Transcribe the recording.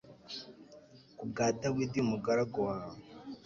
ku bwa dawidi umugaragu wawe